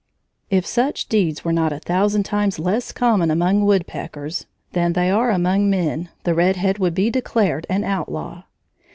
If such deeds were not a thousand times less common among woodpeckers than they are among men the red head would be declared an outlaw.